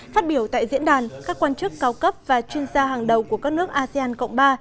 phát biểu tại diễn đàn các quan chức cao cấp và chuyên gia hàng đầu của các nước asean cộng ba